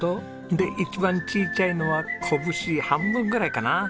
で一番ちいちゃいのはこぶし半分ぐらいかな？